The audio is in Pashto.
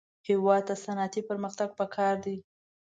هېواد ته صنعتي پرمختګ پکار دی